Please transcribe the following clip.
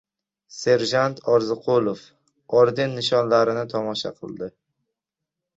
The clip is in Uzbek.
Serjant Orziqulov orden-nishonlarini tomosha qildi.